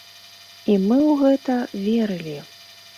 І мы ў гэта верылі.